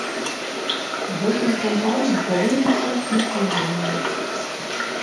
Гэтая кампанія павінна стаць нацыянальнай.